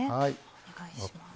お願いします。